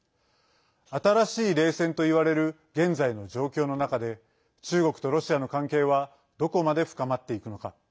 新しい冷戦といわれる現在の状況の中で中国とロシアの関係はどこまで深まっていくのか。